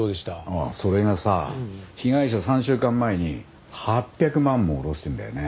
ああそれがさ被害者３週間前に８００万も下ろしてるんだよね。